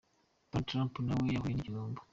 Donald Trump na we yahuye n’igihombo.